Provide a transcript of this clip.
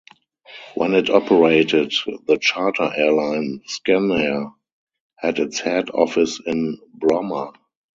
When it operated, the charter airline Scanair had its head office in Bromma.